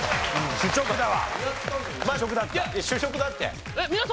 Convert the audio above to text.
主食だった。